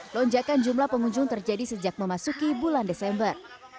lonjakan jumlah pengunjung terjadi sejak memasuki bulan desember